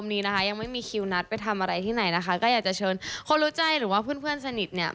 ถ้าอยู่นัดไปทำอะไรที่ไหนนะคะก็อยากจะเชิญคนรู้ใจหรือว่าเพื่อนสนิทเนี่ย